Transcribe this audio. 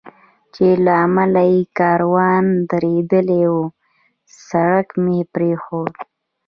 چې له امله یې کاروان درېدلی و، سړک مې پرېښود.